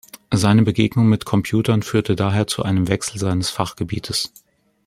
Seine Begegnung mit Computern führte daher zu einem Wechsel seines Fachgebiets.